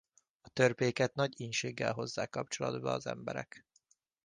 A törpéket nagy ínséggel hozzák kapcsolatba az emberek.